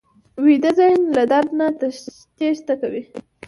ویده ذهن له درد نه تېښته کوي